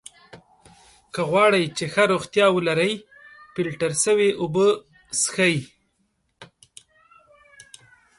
که غواړی چې ښه روغتیا ولری ! فلټر سوي اوبه څښئ!